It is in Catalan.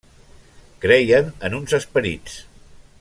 Creien en uns esperits.